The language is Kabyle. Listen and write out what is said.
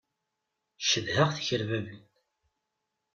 Cedhaɣ tikerbabin.